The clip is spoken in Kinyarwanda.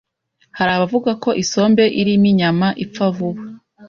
hari abavuga ko isombe irimo inyanya ipfa vuba